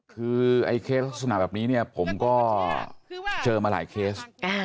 คือไอ้เคสลักษณะแบบนี้เนี่ยผมก็เจอมาหลายเคส